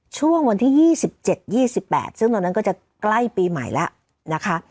ช่วงวันที่ยี่สิบเจ็ดยี่สิบแปดซึ่งตอนนั้นก็จะใกล้ปีใหม่แล้วนะคะ